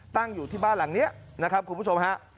ตั้งอยู่ที่บ้านหลังนี้นะครับคุณผู้ชมฮะ